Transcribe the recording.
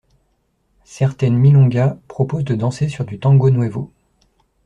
Certaines milongas proposent de danser sur du tango nuevo.